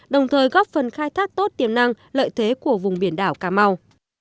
đồng thời góp phần khai thác tốt tiềm năng lợi thế của vùng biển đảo cà mau